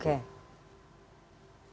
kita juga sudah konsultasi